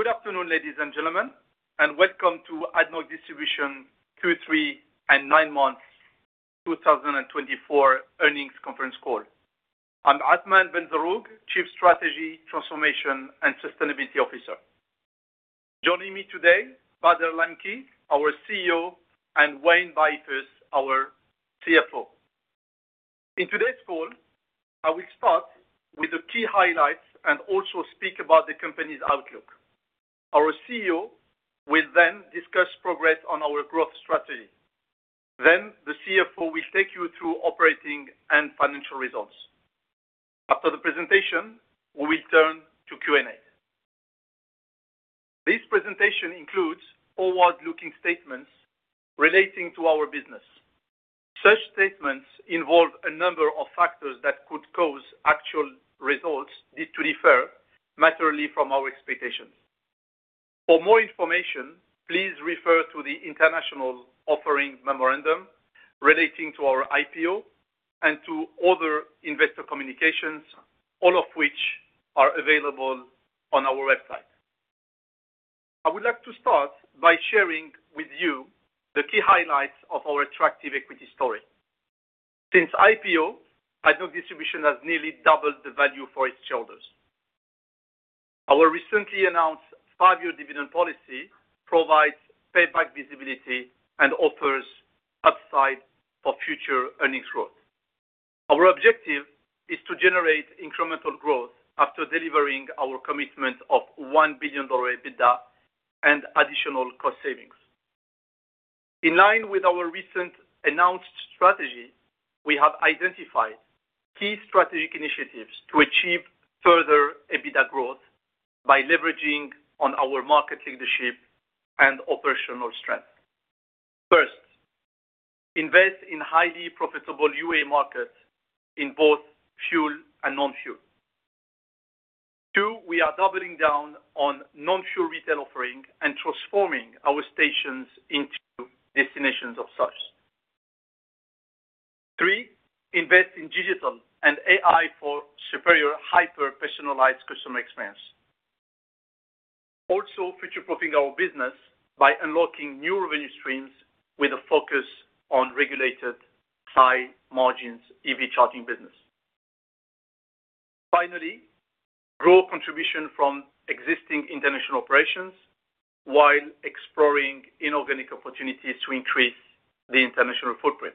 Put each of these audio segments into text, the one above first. Good afternoon, ladies and gentlemen, and welcome to ADNOC Distribution Q3 and nine Months 2024 Earnings Conference Call. I'm Athmane BENZERROUG, Chief Strategy, Transformation, and Sustainability Officer. Joining me today, Bader Al Lamki, our CEO, and Wayne Beifus, our CFO. In today's call, I will start with the key highlights and also speak about the company's outlook. Our CEO will then discuss progress on our growth strategy. Then, the CFO will take you through operating and financial results. After the presentation, we will turn to Q&A. This presentation includes forward-looking statements relating to our business. Such statements involve a number of factors that could cause actual results to differ materially from our expectations. For more information, please refer to the International Offering Memorandum relating to our IPO and to other investor communications, all of which are available on our website. I would like to start by sharing with you the key highlights of our attractive equity story. Since IPO, ADNOC Distribution has nearly doubled the value for its shareholders. Our recently announced five-year dividend policy provides payback visibility and offers upside for future earnings growth. Our objective is to generate incremental growth after delivering our commitment of $1 billion EBITDA and additional cost savings. In line with our recent announced strategy, we have identified key strategic initiatives to achieve further EBITDA growth by leveraging our market leadership and operational strength. First, invest in highly profitable UA markets in both fuel and non-fuel. Two, we are doubling down on non-fuel retail offering and transforming our stations into destinations of such. Three, invest in digital and AI for superior hyper-personalized customer experience. Also, future-proofing our business by unlocking new revenue streams with a focus on regulated high-margins EV charging business. Finally, grow contribution from existing international operations while exploring inorganic opportunities to increase the international footprint.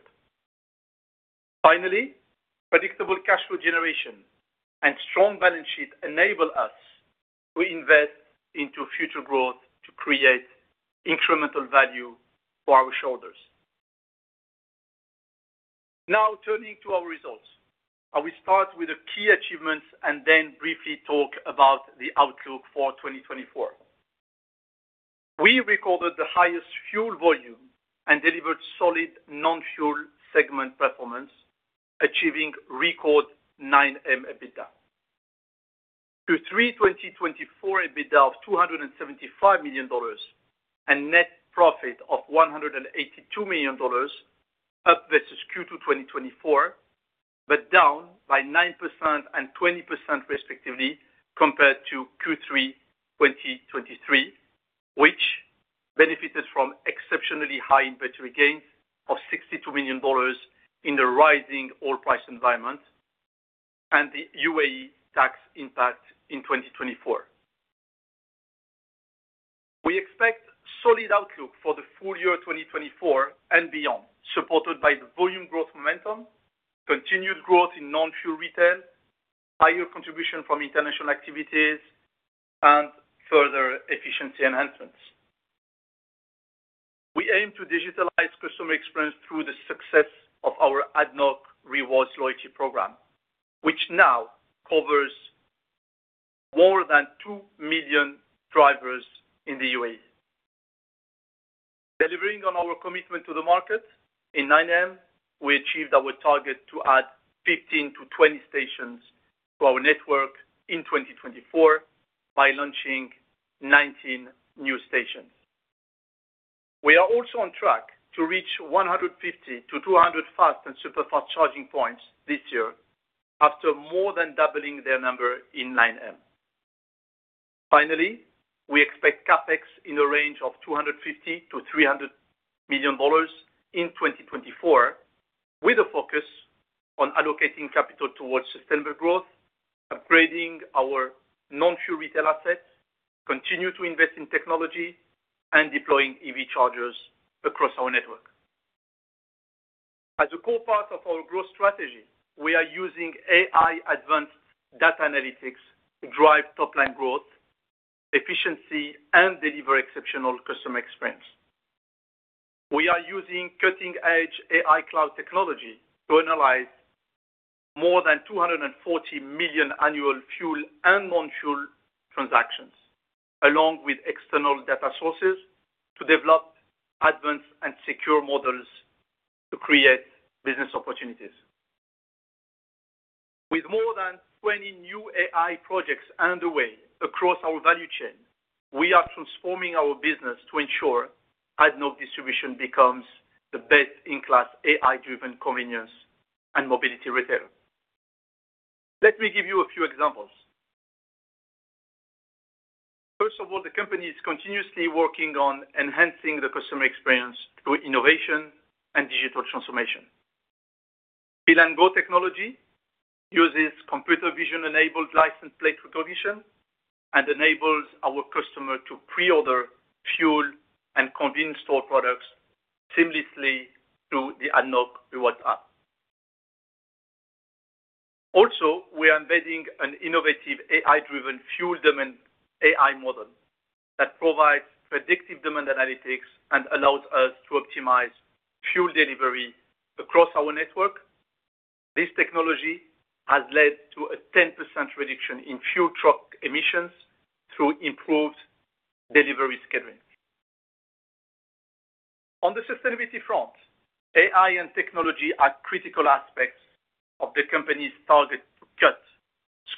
Finally, predictable cash flow generation and strong balance sheet enable us to invest into future growth to create incremental value for our shareholders. Now, turning to our results, I will start with the key achievements and then briefly talk about the outlook for 2024. We recorded the highest fuel volume and delivered solid non-fuel segment performance, achieving record $9 million EBITDA. Q3 2024 EBITDA of $275 million and net profit of $182 million, up versus Q2 2024, but down by 9% and 20% respectively compared to Q3 2023, which benefited from exceptionally high inventory gains of $62 million in the rising oil price environment and the UAE tax impact in 2024. We expect solid outlook for the full year 2024 and beyond, supported by the volume growth momentum, continued growth in non-fuel retail, higher contribution from international activities, and further efficiency enhancements. We aim to digitalize customer experience through the success of our ADNOC Rewards Loyalty Program, which now covers more than 2 million drivers in the UAE. Delivering on our commitment to the market, in 9M, we achieved our target to add 15-20 stations to our network in 2024 by launching 19 new stations. We are also on track to reach 150-200 fast and superfast charging points this year after more than doubling their number in 9M. Finally, we expect CAPEX in the range of $250 million-$300 million in 2024, with a focus on allocating capital towards sustainable growth, upgrading our non-fuel retail assets, continuing to invest in technology, and deploying EV chargers across our network. As a core part of our growth strategy, we are using AI-advanced data analytics to drive top-line growth, efficiency, and deliver exceptional customer experience. We are using cutting-edge AI cloud technology to analyze more than 240 million annual fuel and non-fuel transactions, along with external data sources, to develop advanced and secure models to create business opportunities. With more than 20 new AI projects underway across our value chain, we are transforming our business to ensure ADNOC Distribution becomes the best-in-class AI-driven convenience and mobility retailer. Let me give you a few examples. First of all, the company is continuously working on enhancing the customer experience through innovation and digital transformation. Our LPR technology uses computer vision-enabled license plate recognition and enables our customers to pre-order fuel and convenience store products seamlessly through the ADNOC Rewards app. Also, we are embedding an innovative AI-driven fuel demand AI model that provides predictive demand analytics and allows us to optimize fuel delivery across our network. This technology has led to a 10% reduction in fuel truck emissions through improved delivery scheduling. On the sustainability front, AI and technology are critical aspects of the company's target to cut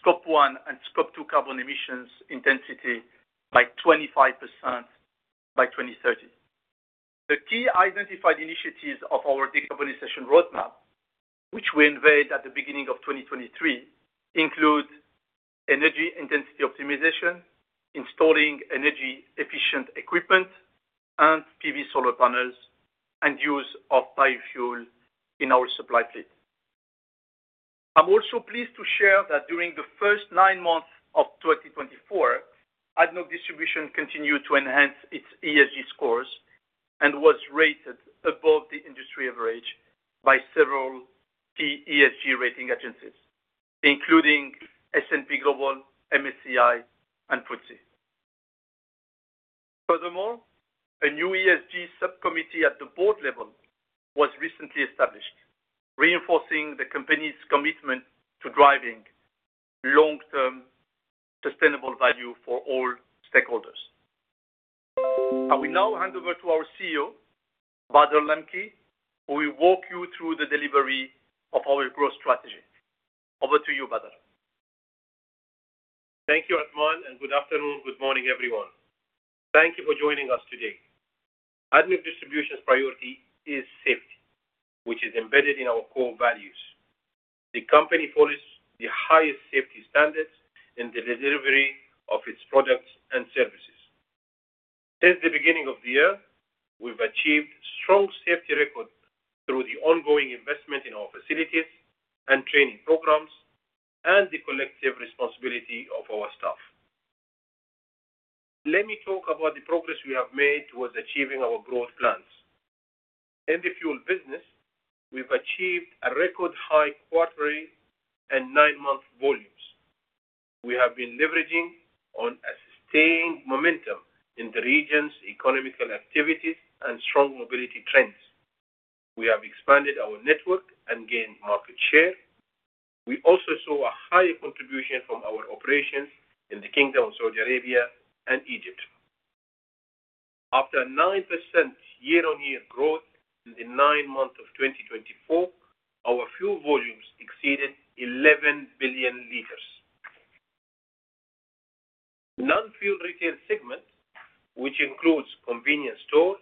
Scope 1 and Scope 2 carbon emissions intensity by 25% by 2030. The key identified initiatives of our decarbonization roadmap, which we unveiled at the beginning of 2023, include energy intensity optimization, installing energy-efficient equipment and PV solar panels, and use of biofuel in our supply fleet. I'm also pleased to share that during the first nine months of 2024, ADNOC Distribution continued to enhance its ESG scores and was rated above the industry average by several key ESG rating agencies, including S&P Global, MSCI, and FTSE. Furthermore, a new ESG subcommittee at the board level was recently established, reinforcing the company's commitment to driving long-term sustainable value for all stakeholders. I will now hand over to our CEO, Bader Al Lamki, who will walk you through the delivery of our growth strategy. Over to you, Bader. Thank you, Athmane, and good afternoon, good morning, everyone. Thank you for joining us today. ADNOC Distribution's priority is safety, which is embedded in our core values. The company follows the highest safety standards in the delivery of its products and services. Since the beginning of the year, we've achieved strong safety records through the ongoing investment in our facilities and training programs and the collective responsibility of our staff. Let me talk about the progress we have made towards achieving our growth plans. In the fuel business, we've achieved a record-high quarterly and nine-month volumes. We have been leveraging on a sustained momentum in the region's economic activities and strong mobility trends. We have expanded our network and gained market share. We also saw a higher contribution from our operations in the Kingdom of Saudi Arabia and Egypt. After a 9% year-on-year growth in the nine months of 2024, our fuel volumes exceeded 11 billion liters. Non-fuel retail segment, which includes convenience stores,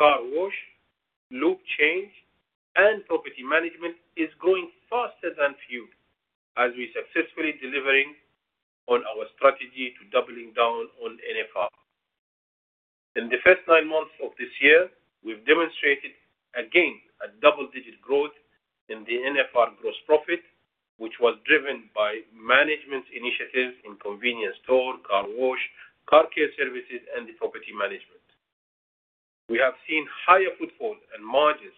car wash, lube change, and property management, is growing faster than fuel, as we successfully delivered on our strategy to doubling down on NFR. In the first nine months of this year, we've demonstrated again a double-digit growth in the NFR gross profit, which was driven by management's initiatives in convenience store, car wash, car care services, and the property management. We have seen higher footfall and margins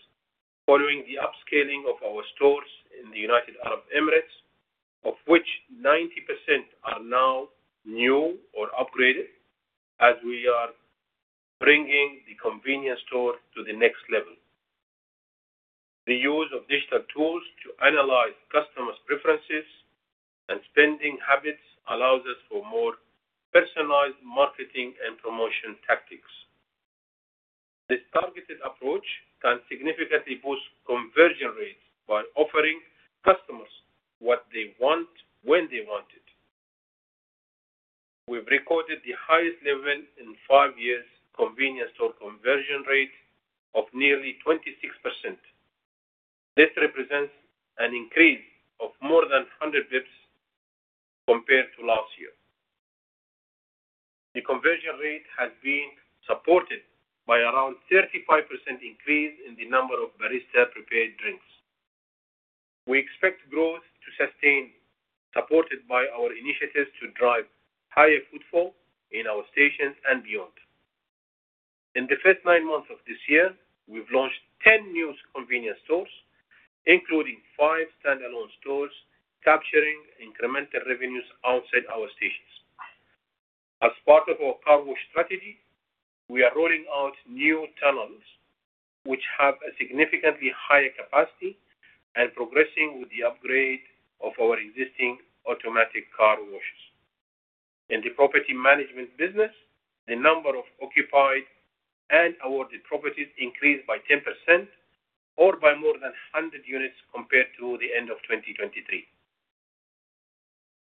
following the upscaling of our stores in the United Arab Emirates, of which 90% are now new or upgraded, as we are bringing the convenience store to the next level. The use of digital tools to analyze customers' preferences and spending habits allows us for more personalized marketing and promotion tactics. This targeted approach can significantly boost conversion rates by offering customers what they want when they want it. We've recorded the highest level in five years' convenience store conversion rate of nearly 26%. This represents an increase of more than 100 basis points compared to last year. The conversion rate has been supported by around a 35% increase in the number of barista-prepared drinks. We expect growth to sustain, supported by our initiatives to drive higher footfall in our stations and beyond. In the first nine months of this year, we've launched 10 new convenience stores, including five standalone stores, capturing incremental revenues outside our stations. As part of our car wash strategy, we are rolling out new tunnels, which have a significantly higher capacity and progressing with the upgrade of our existing automatic car washes. In the property management business, the number of occupied and awarded properties increased by 10% or by more than 100 units compared to the end of 2023.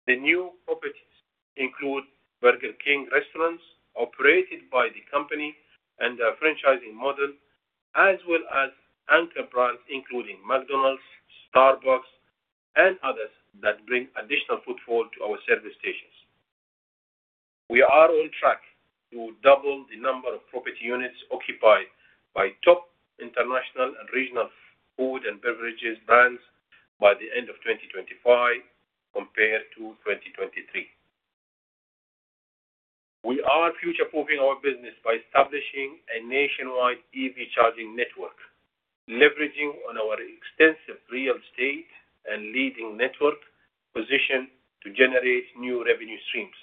The new properties include Burger King restaurants operated by the company and their franchising model, as well as anchor brands including McDonald's, Starbucks, and others that bring additional footfall to our service stations. We are on track to double the number of property units occupied by top international and regional food and beverages brands by the end of 2025 compared to 2023. We are future-proofing our business by establishing a nationwide EV charging network, leveraging our extensive real estate and leading network position to generate new revenue streams.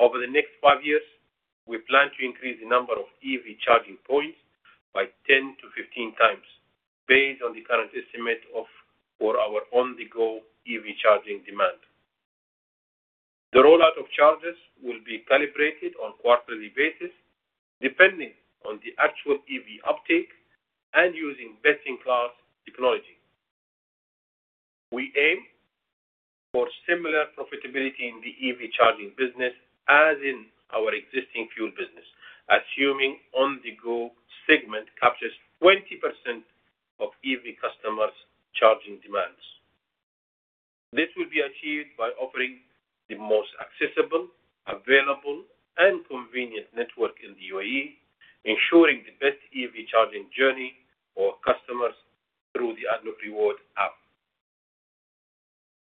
Over the next five years, we plan to increase the number of EV charging points by 10x-15x, based on the current estimate for our on-the-go EV charging demand. The rollout of chargers will be calibrated on a quarterly basis, depending on the actual EV uptake and using best-in-class technology. We aim for similar profitability in the EV charging business as in our existing fuel business, assuming the on-the-go segment captures 20% of EV customers' charging demands. This will be achieved by offering the most accessible, available, and convenient network in the UAE, ensuring the best EV charging journey for our customers through the ADNOC Rewards app.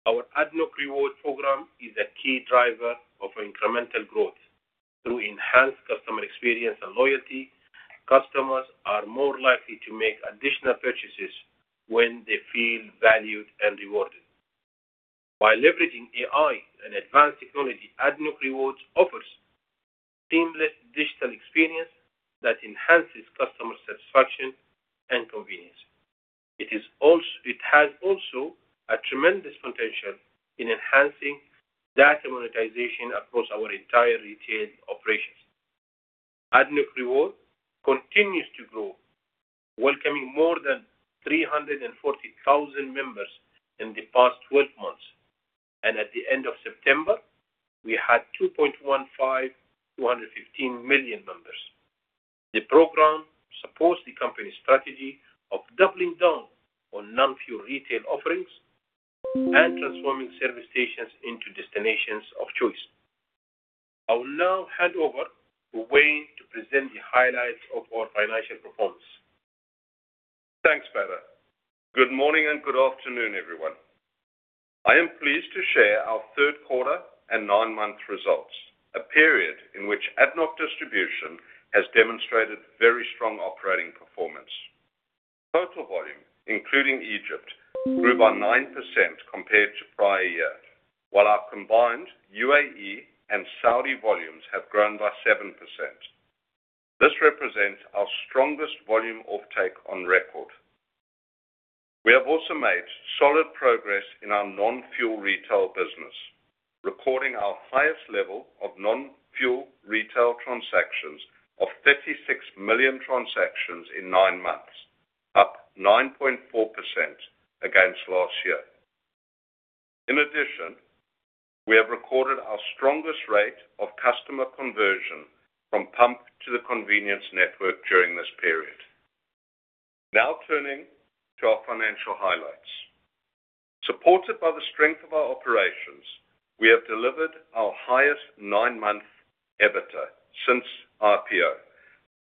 Our ADNOC Rewards program is a key driver of incremental growth. Through enhanced customer experience and loyalty, customers are more likely to make additional purchases when they feel valued and rewarded. By leveraging AI and advanced technology, ADNOC Rewards offers a seamless digital experience that enhances customer satisfaction and convenience. It has also a tremendous potential in enhancing data monetization across our entire retail operations. ADNOC Rewards continues to grow, welcoming more than 340,000 members in the past 12 months, and at the end of September, we had 2.15 million members. The program supports the company's strategy of doubling down on non-fuel retail offerings and transforming service stations into destinations of choice. I will now hand over to Wayne to present the highlights of our financial performance. Thanks, Bader. Good morning and good afternoon, everyone. I am pleased to share our third-quarter and nine-month results, a period in which ADNOC Distribution has demonstrated very strong operating performance. Total volume, including Egypt, grew by 9% compared to the prior year, while our combined UAE and Saudi volumes have grown by 7%. This represents our strongest volume uptake on record. We have also made solid progress in our non-fuel retail business, recording our highest level of non-fuel retail transactions of 36 million transactions in nine months, up 9.4% against last year. In addition, we have recorded our strongest rate of customer conversion from pump to the convenience network during this period. Now turning to our financial highlights. Supported by the strength of our operations, we have delivered our highest nine-month EBITDA since IPO,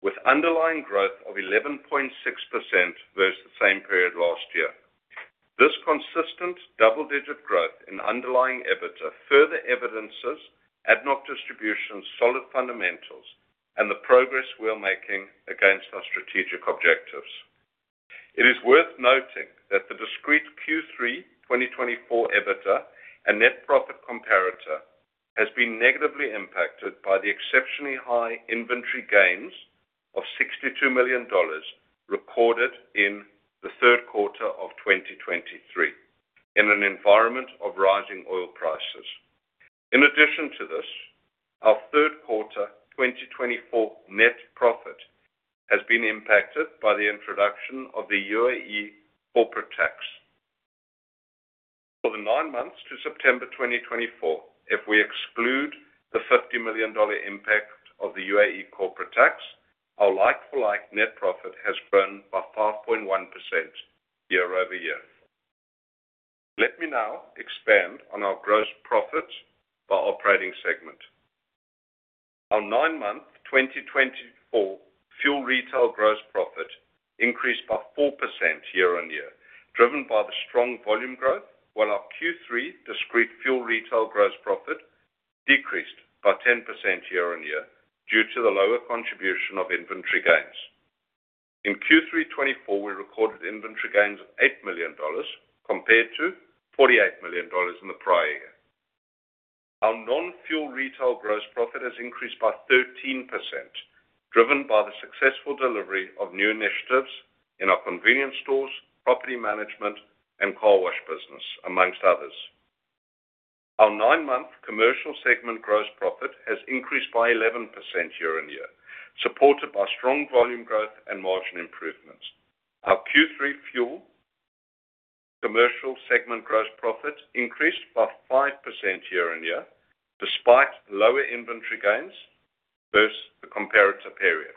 with underlying growth of 11.6% versus the same period last year. This consistent double-digit growth in underlying EBITDA further evidences ADNOC Distribution's solid fundamentals and the progress we're making against our strategic objectives. It is worth noting that the discrete Q3 2024 EBITDA and net profit comparator has been negatively impacted by the exceptionally high inventory gains of $62 million recorded in the third quarter of 2023 in an environment of rising oil prices. In addition to this, our third quarter 2024 net profit has been impacted by the introduction of the UAE corporate tax. For the nine months to September 2024, if we exclude the $50 million impact of the UAE corporate tax, our like-for-like net profit has grown by 5.1% year over year. Let me now expand on our gross profit by operating segment. Our nine-month 2024 fuel retail gross profit increased by 4% year on year, driven by the strong volume growth, while our Q3 discrete fuel retail gross profit decreased by 10% year on year due to the lower contribution of inventory gains. In Q3 2024, we recorded inventory gains of $8 million compared to $48 million in the prior year. Our non-fuel retail gross profit has increased by 13%, driven by the successful delivery of new initiatives in our convenience stores, property management, and car wash business, amongst others. Our nine-month commercial segment gross profit has increased by 11% year-on-year, supported by strong volume growth and margin improvements. Our Q3 fuel commercial segment gross profit increased by 5% year-on-year, despite lower inventory gains versus the comparator period.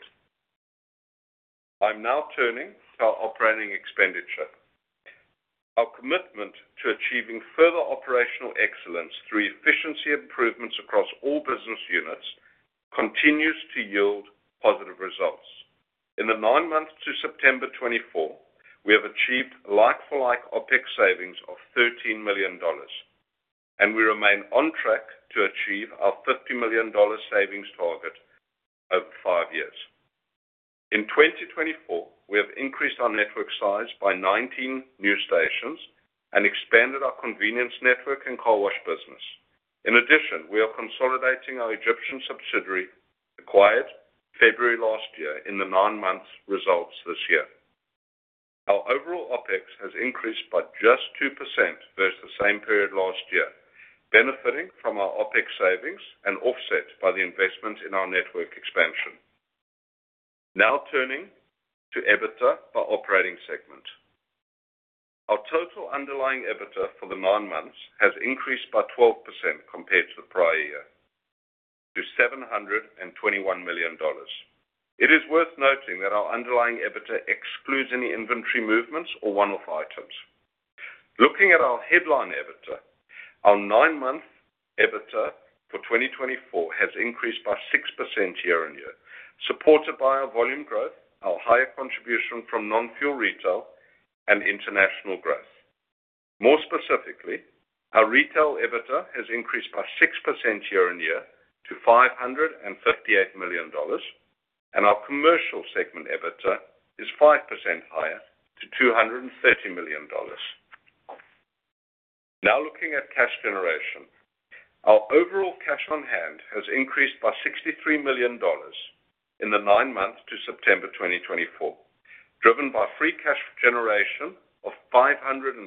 I'm now turning to our operating expenditure. Our commitment to achieving further operational excellence through efficiency improvements across all business units continues to yield positive results. In the nine months to September 2024, we have achieved like-for-like OPEX savings of $13 million, and we remain on track to achieve our $50 million savings target over five years. In 2024, we have increased our network size by 19 new stations and expanded our convenience network and car wash business. In addition, we are consolidating our Egyptian subsidiary acquired February last year in the nine-month results this year. Our overall OPEX has increased by just 2% versus the same period last year, benefiting from our OPEX savings and offset by the investment in our network expansion. Now turning to EBITDA by operating segment. Our total underlying EBITDA for the nine months has increased by 12% compared to the prior year, to $721 million. It is worth noting that our underlying EBITDA excludes any inventory movements or one-off items. Looking at our headline EBITDA, our nine-month EBITDA for 2024 has increased by 6% year on year, supported by our volume growth, our higher contribution from non-fuel retail, and international growth. More specifically, our retail EBITDA has increased by 6% year on year to $558 million, and our commercial segment EBITDA is 5% higher, to $230 million. Now looking at cash generation, our overall cash on hand has increased by $63 million in the nine months to September 2024, driven by free cash generation of $537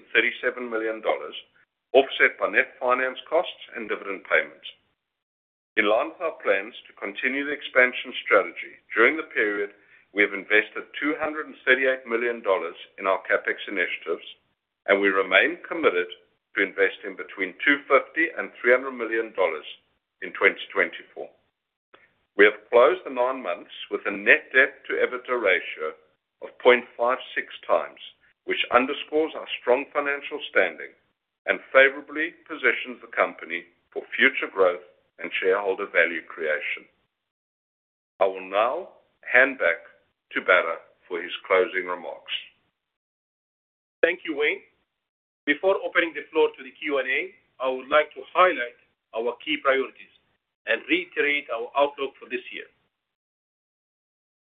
million, offset by net finance costs and dividend payments. In line with our plans to continue the expansion strategy, during the period, we have invested $238 million in our CapEx initiatives, and we remain committed to investing between $250 and $300 million in 2024. We have closed the nine months with a net debt-to-EBITDA ratio of 0.56x, which underscores our strong financial standing and favorably positions the company for future growth and shareholder value creation. I will now hand back to Bader for his closing remarks. Thank you, Wayne. Before opening the floor to the Q&A, I would like to highlight our key priorities and reiterate our outlook for this year.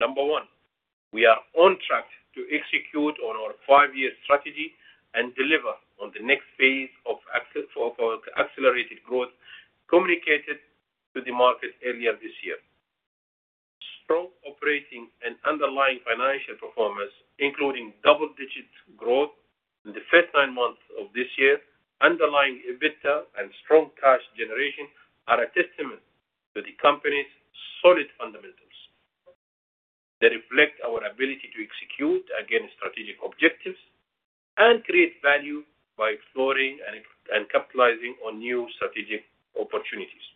Number one, we are on track to execute on our five-year strategy and deliver on the next phase of accelerated growth communicated to the market earlier this year. Strong operating and underlying financial performance, including double-digit growth in the first nine months of this year, underlying EBITDA, and strong cash generation are a testament to the company's solid fundamentals. They reflect our ability to execute against strategic objectives and create value by exploring and capitalizing on new strategic opportunities.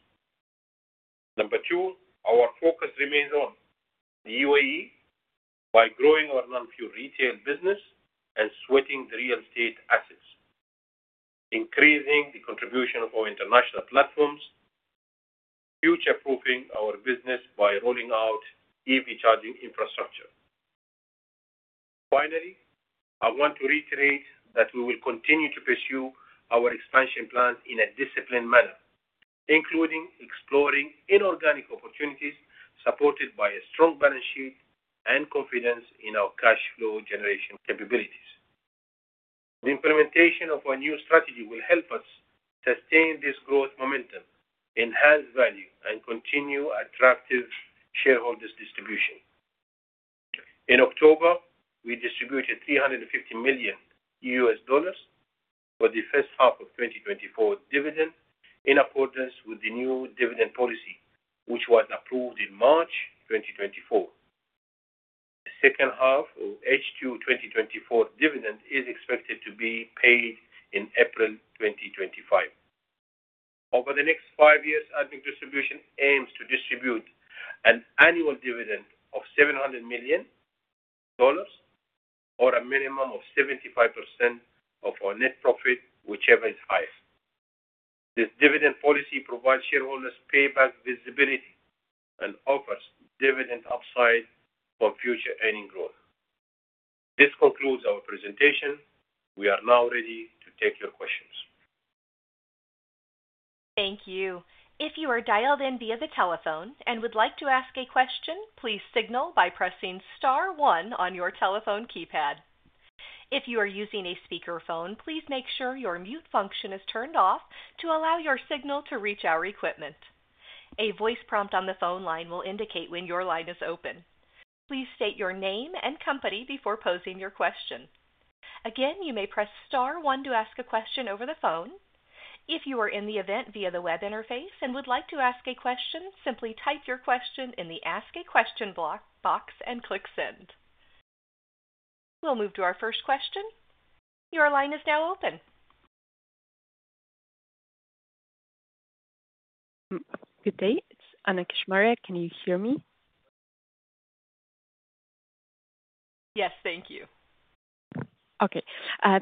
Number two, our focus remains on the UAE by growing our non-fuel retail business and sweating the real estate assets, increasing the contribution of our international platforms, and future-proofing our business by rolling out EV charging infrastructure. Finally, I want to reiterate that we will continue to pursue our expansion plans in a disciplined manner, including exploring inorganic opportunities supported by a strong balance sheet and confidence in our cash flow generation capabilities. The implementation of our new strategy will help us sustain this growth momentum, enhance value, and continue attractive shareholders' distribution. In October, we distributed $350 million for the first half of 2024 dividend in accordance with the new dividend policy, which was approved in March 2024. The second half of H2 2024 dividend is expected to be paid in April 2025. Over the next five years, ADNOC Distribution aims to distribute an annual dividend of $700 million or a minimum of 75% of our net profit, whichever is highest. This dividend policy provides shareholders' payback visibility and offers dividend upside for future earning growth. This concludes our presentation. We are now ready to take your questions. Thank you. If you are dialed in via the telephone and would like to ask a question, please signal by pressing star one on your telephone keypad. If you are using a speakerphone, please make sure your mute function is turned off to allow your signal to reach our equipment. A voice prompt on the phone line will indicate when your line is open. Please state your name and company before posing your question. Again, you may press star one to ask a question over the phone. If you are in the event via the web interface and would like to ask a question, simply type your question in the Ask a Question block box and click Send. We'll move to our first question. Your line is now open. Good day. It's Anna Kishmara. Can you hear me? Yes, thank you. Okay.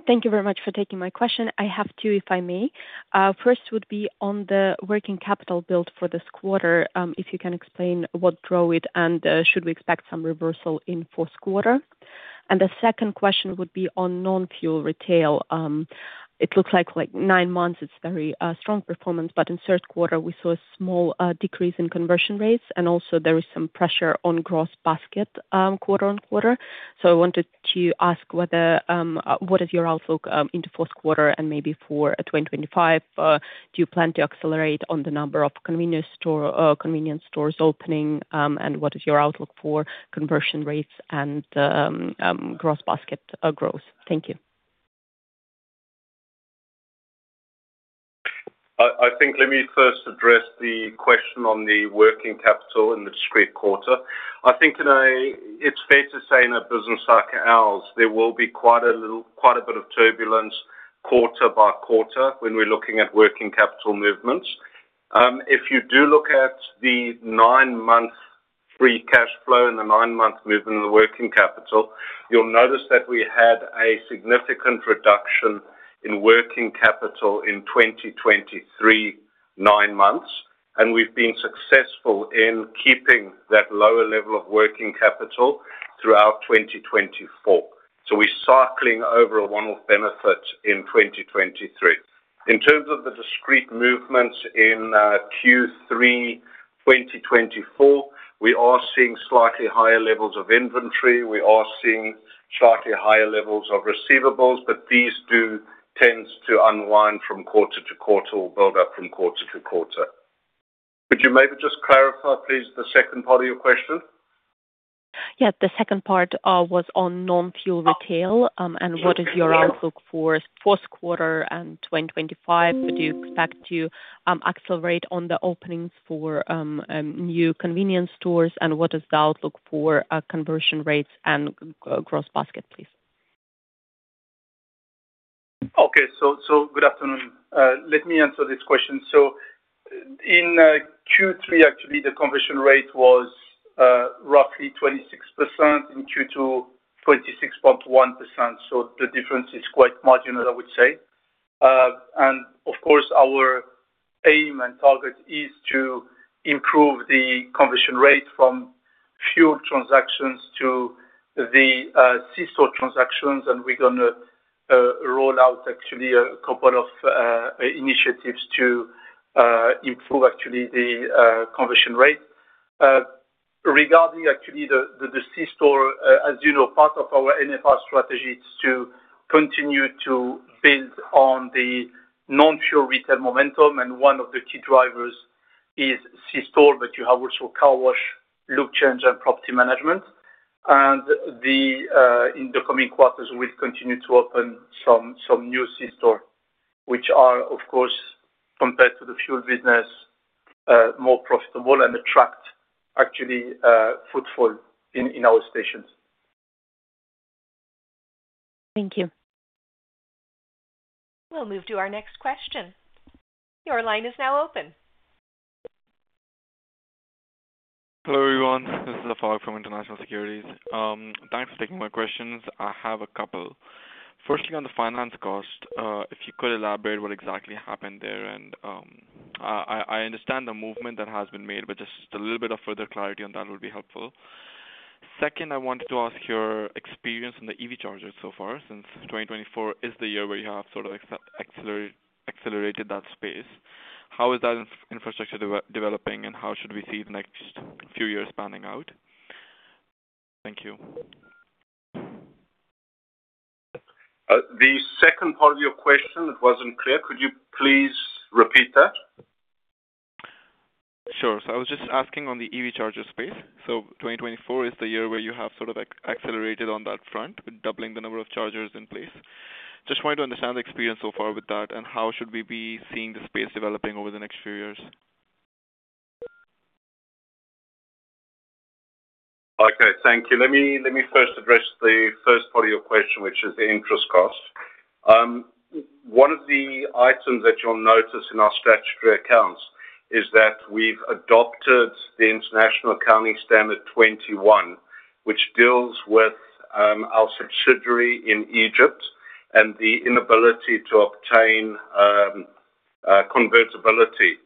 Thank you very much for taking my question. I have two, if I may. First would be on the working capital build for this quarter, if you can explain what drove it, and should we expect some reversal in fourth quarter, and the second question would be on non-fuel retail. It looks like nine months, it's very strong performance, but in third quarter, we saw a small decrease in conversion rates, and also there is some pressure on gross basket quarter on quarter, so I wanted to ask what is your outlook into fourth quarter and maybe for 2025? Do you plan to accelerate on the number of convenience stores opening, and what is your outlook for conversion rates and gross basket growth? Thank you. I think let me first address the question on the working capital in the discrete quarter. I think it's fair to say in our business like ours, there will be quite a bit of turbulence quarter by quarter when we're looking at working capital movements. If you do look at the nine-month free cash flow and the nine-month movement of the working capital, you'll notice that we had a significant reduction in working capital in 2023 nine months, and we've been successful in keeping that lower level of working capital throughout 2024. So we're cycling over a one-off benefit in 2023. In terms of the discrete movements in Q3 2024, we are seeing slightly higher levels of inventory. We are seeing slightly higher levels of receivables, but these do tend to unwind from quarter to quarter or build up from quarter to quarter. Could you maybe just clarify, please, the second part of your question? Yeah. The second part was on non-fuel retail, and what is your outlook for fourth quarter and 2025? Would you expect to accelerate on the openings for new convenience stores, and what is the outlook for conversion rates and gross basket, please? Okay. So, good afternoon. Let me answer this question. So in Q3, actually, the conversion rate was roughly 26%. In Q2, 26.1%. So the difference is quite marginal, I would say. Of course, our aim and target is to improve the conversion rate from fuel transactions to the C-store transactions, and we're going to roll out actually a couple of initiatives to improve actually the conversion rate. Regarding actually the C-store, as you know, part of our NFR strategy is to continue to build on the non-fuel retail momentum, and one of the key drivers is C-store, but you have also car wash, lube change, and property management. In the coming quarters, we'll continue to open some new C-store, which are, of course, compared to the fuel business, more profitable and attract actually footfall in our stations. Thank you. We'll move to our next question. Your line is now open. Hello, everyone. This is Lafarge from International Securities. Thanks for taking my questions. I have a couple. Firstly, on the finance cost, if you could elaborate what exactly happened there? And I understand the movement that has been made, but just a little bit of further clarity on that would be helpful. Second, I wanted to ask your experience on the EV chargers so far, since 2024 is the year where you have sort of accelerated that space. How is that infrastructure developing, and how should we see the next few years panning out? Thank you. The second part of your question, it wasn't clear. Could you please repeat that? Sure. So I was just asking on the EV charger space. So 2024 is the year where you have sort of accelerated on that front, with doubling the number of chargers in place. Just wanted to understand the experience so far with that, and how should we be seeing the space developing over the next few years? Okay. Thank you. Let me first address the first part of your question, which is the interest cost. One of the items that you'll notice in our statutory accounts is that we've adopted the international accounting standard 21, which deals with our subsidiary in Egypt and the inability to obtain convertibility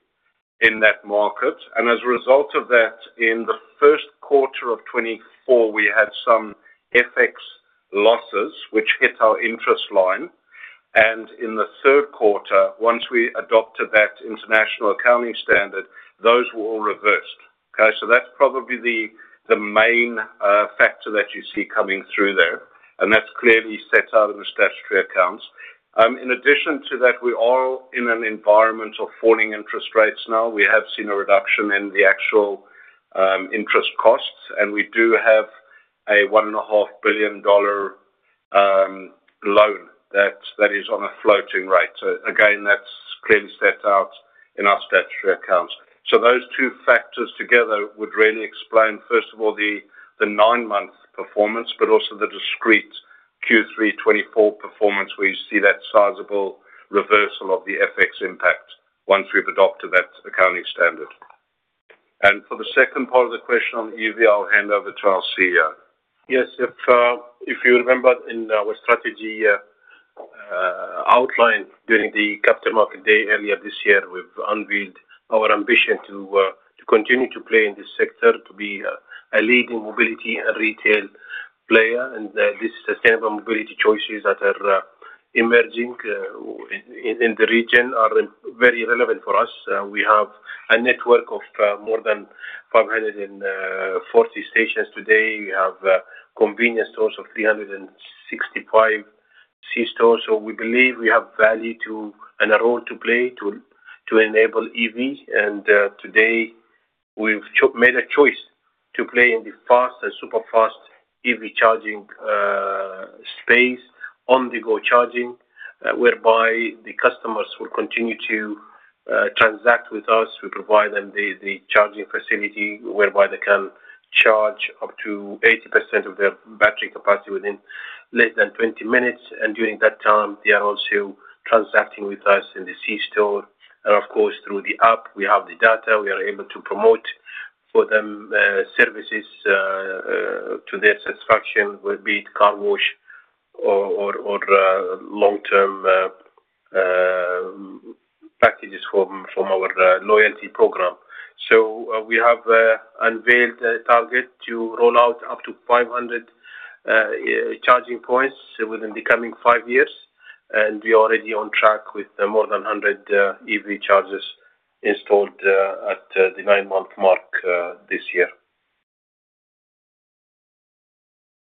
in that market. And as a result of that, in the first quarter of 2024, we had some FX losses, which hit our interest line. And in the third quarter, once we adopted that international accounting standard, those were all reversed. Okay? So that's probably the main factor that you see coming through there, and that's clearly set out in the statutory accounts. In addition to that, we are in an environment of falling interest rates now. We have seen a reduction in the actual interest costs, and we do have a $1.5 billion loan that is on a floating rate. So again, that's clearly set out in our statutory accounts. So those two factors together would really explain, first of all, the nine-month performance, but also the discrete Q3 2024 performance where you see that sizable reversal of the FX impact once we've adopted that accounting standard. For the second part of the question on the EV, I'll hand over to our CEO. Yes. If you remember in our strategy outline during the Capital Market Day earlier this year, we've unveiled our ambition to continue to play in this sector, to be a leading mobility and retail player. These sustainable mobility choices that are emerging in the region are very relevant for us. We have a network of more than 540 stations today. We have convenience stores of 365 C-stores. We believe we have value and a role to play to enable EV. Today, we've made a choice to play in the fast and super-fast EV charging space, on-the-go charging, whereby the customers will continue to transact with us. We provide them the charging facility whereby they can charge up to 80% of their battery capacity within less than 20 minutes. During that time, they are also transacting with us in the C-store. Of course, through the app, we have the data. We are able to promote for them services to their satisfaction, be it car wash or long-term packages from our loyalty program. We have unveiled a target to roll out up to 500 charging points within the coming five years. We are already on track with more than 100 EV chargers installed at the nine-month mark this year.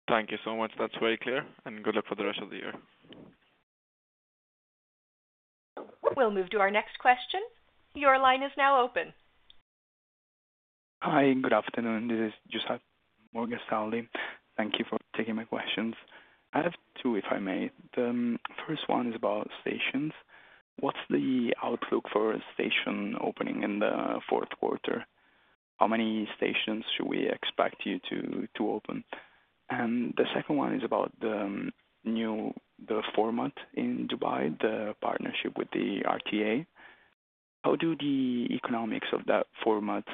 Thank you so much. That's very clear. And good luck for the rest of the year. We'll move to our next question. Your line is now open. Hi. Good afternoon. This is Jushaad, Morgan Stanley. Thank you for taking my questions. I have two, if I may. The first one is about stations. What's the outlook for station opening in the fourth quarter? How many stations should we expect you to open? And the second one is about the new format in Dubai, the partnership with the RTA. How do the economics of that format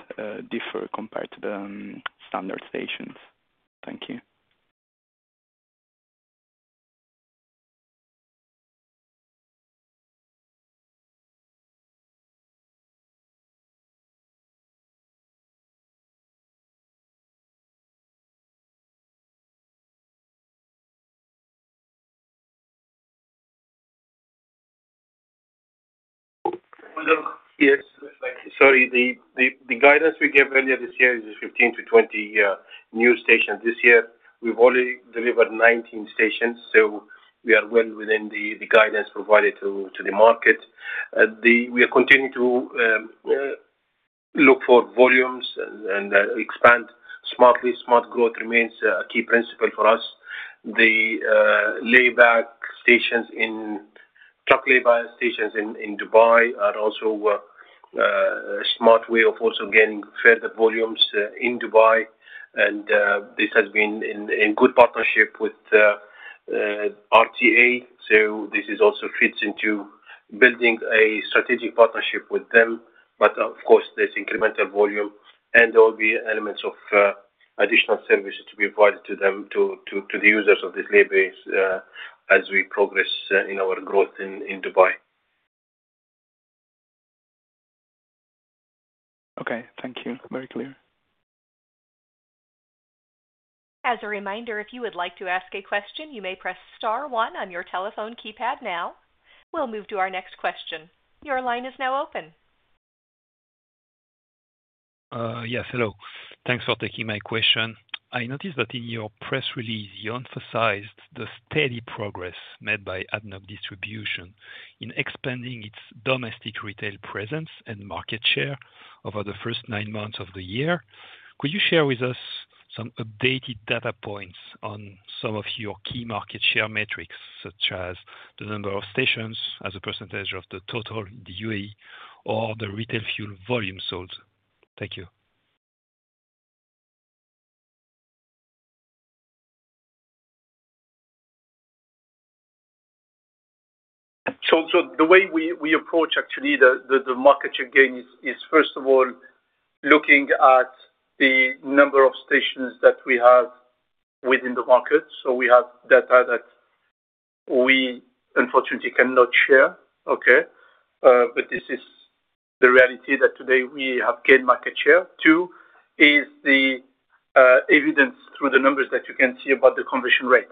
differ compared to the standard stations? Thank you. Yes. Sorry. The guidance we gave earlier this year is 15-20 new stations. This year, we've already delivered 19 stations, so we are well within the guidance provided to the market. We are continuing to look for volumes and expand smartly. Smart growth remains a key principle for us. The lay-back stations, truck lay-back stations in Dubai, are also a smart way of also gaining further volumes in Dubai. And this has been in good partnership with RTA, so this also fits into building a strategic partnership with them. But of course, there's incremental volume, and there will be elements of additional services to be provided to the users of this lay-back as we progress in our growth in Dubai. Okay. Thank you. Very clear. As a reminder, if you would like to ask a question, you may press star one on your telephone keypad now. We'll move to our next question. Your line is now open. Yes. Hello. Thanks for taking my question. I noticed that in your press release, you emphasized the steady progress made by ADNOC Distribution in expanding its domestic retail presence and market share over the first nine months of the year. Could you share with us some updated data points on some of your key market share metrics, such as the number of stations as a percentage of the total in the UAE or the retail fuel volume sold? Thank you. So the way we approach actually the market share gain is, first of all, looking at the number of stations that we have within the market. So we have data that we, unfortunately, cannot share. Okay? But this is the reality that today we have gained market share. Two is the evidence through the numbers that you can see about the conversion rate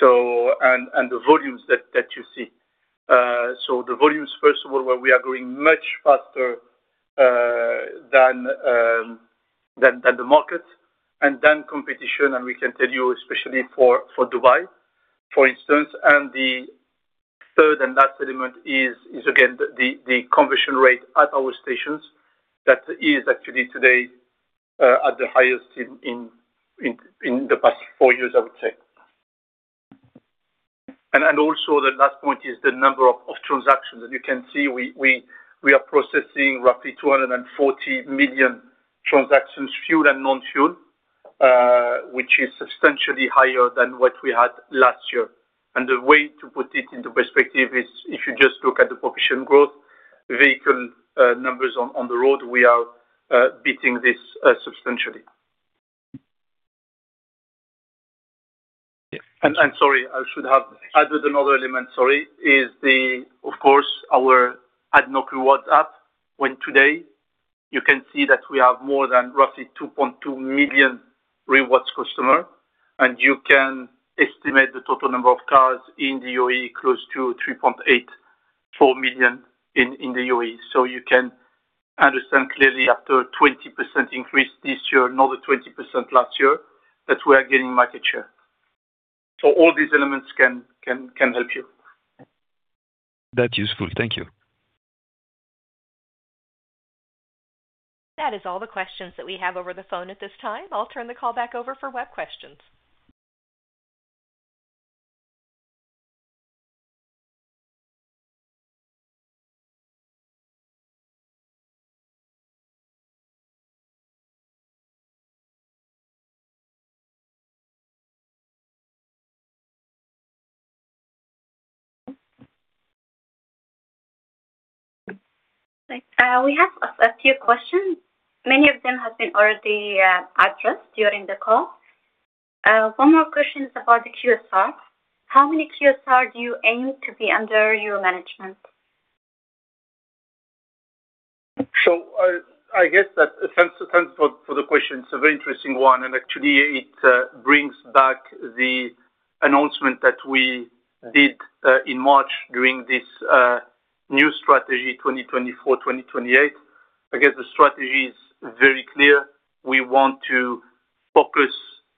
and the volumes that you see. So the volumes, first of all, where we are growing much faster than the market, and then competition, and we can tell you, especially for Dubai, for instance. And the third and last element is, again, the conversion rate at our stations that is actually today at the highest in the past four years, I would say. And also, the last point is the number of transactions. As you can see, we are processing roughly 240 million transactions, fuel and non-fuel, which is substantially higher than what we had last year. And the way to put it into perspective is, if you just look at the registered vehicle numbers on the road, we are beating this substantially. And sorry, I should have added another element, sorry, is the, of course, our ADNOC Rewards app. And today, you can see that we have more than roughly 2.2 million Rewards customers, and you can estimate the total number of cars in the UAE, close to 3.84 million in the UAE. So you can understand clearly after a 20% increase this year, another 20% last year, that we are gaining market share. So all these elements can help you. That's useful. Thank you. That is all the questions that we have over the phone at this time. I'll turn the call back over for web questions. We have a few questions. Many of them have been already addressed during the call. One more question is about the QSR. How many QSR do you aim to be under your management? So I guess that makes sense for the question. It's a very interesting one. And actually, it brings back the announcement that we did in March during this new strategy, 2024-2028. I guess the strategy is very clear. We want to focus.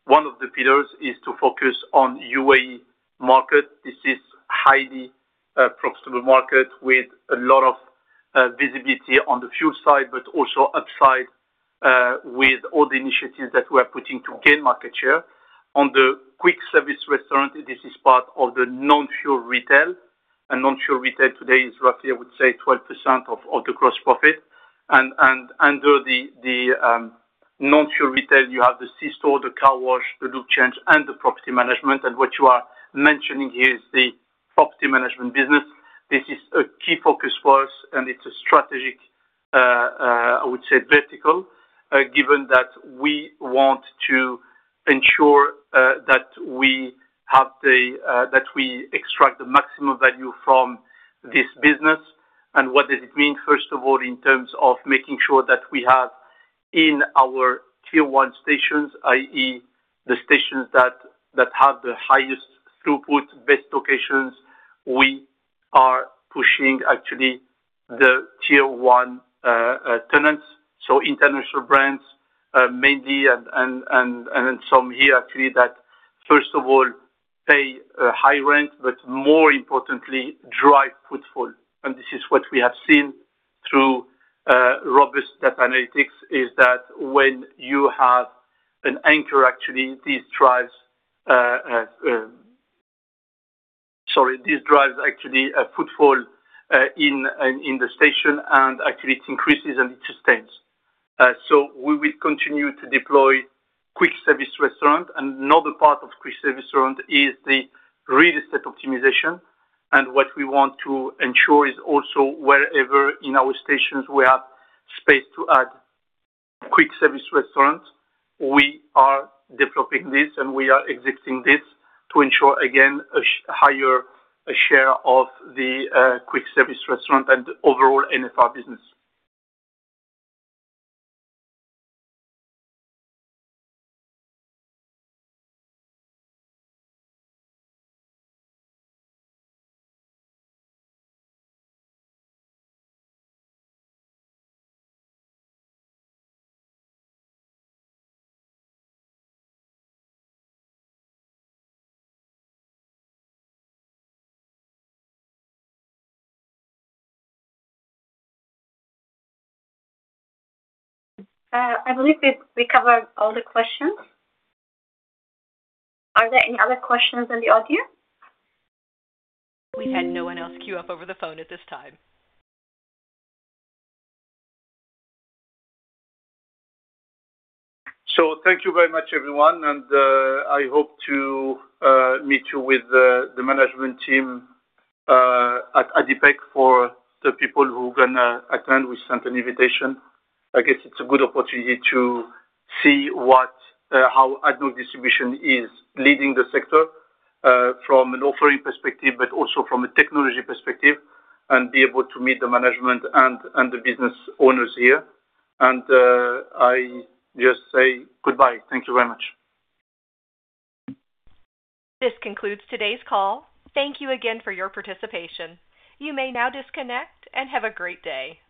One of the pillars is to focus on UAE market. This is a highly profitable market with a lot of visibility on the fuel side, but also upside with all the initiatives that we are putting to gain market share. On the quick service restaurant, this is part of the non-fuel retail. And non-fuel retail today is roughly, I would say, 12% of the gross profit. And under the non-fuel retail, you have the C-store, the car wash, the lube change, and the property management. And what you are mentioning here is the property management business. This is a key focus for us, and it's a strategic, I would say, vertical, given that we want to ensure that we have that we extract the maximum value from this business. And what does it mean, first of all, in terms of making sure that we have in our tier one stations, i.e., the stations that have the highest throughput, best locations, we are pushing actually the tier one tenants. So international brands, mainly, and some here actually that, first of all, pay high rent, but more importantly, drive footfall. And this is what we have seen through robust data analytics, is that when you have an anchor, actually, these drives actually a footfall in the station, and actually, it increases and it sustains. So we will continue to deploy quick service restaurant. Another part of Quick Service Restaurant is the real estate optimization. What we want to ensure is also, wherever in our stations we have space to add Quick Service Restaurants, we are developing this, and we are executing this to ensure, again, a higher share of the Quick Service Restaurant and overall NFR business. I believe we covered all the questions. Are there any other questions in the audience? We had no one else queue up over the phone at this time. Thank you very much, everyone. I hope to meet you with the management team at ADIPEC for the people who are going to attend. We sent an invitation. I guess it's a good opportunity to see how ADNOC Distribution is leading the sector from an offering perspective, but also from a technology perspective, and be able to meet the management and the business owners here. I just say goodbye. Thank you very much. This concludes today's call. Thank you again for your participation. You may now disconnect and have a great day.